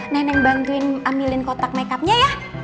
nenek bantuin amilin kotak makeupnya ya